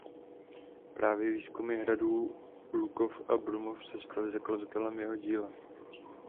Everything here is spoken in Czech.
Právě výzkumy hradů Lukov a Brumov se staly základem jeho díla.